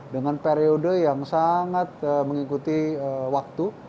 dengan periode yang sangat mengikuti waktu